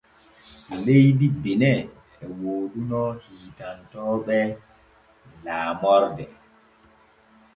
Leydi Benin e wooduno hiitantonooɓe laamorde.